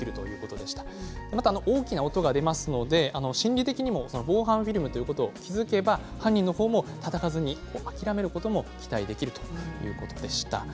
大きな音が出ますので心理的にも防犯フィルムと気付けば犯人の方も、たたかずに諦めることも期待できるということでした。